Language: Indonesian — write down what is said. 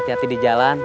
hati hati di jalan